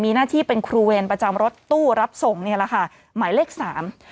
มีหน้าที่เป็นครูเวรประจำรถตู้รับส่งเนี่ยแหละค่ะหมายเลขสาม